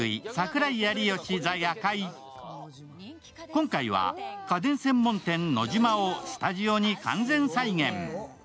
今回は家電専門店・ノジマをスタジオに完全再現。